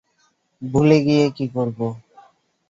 ভুলে গিয়ে কী করবো?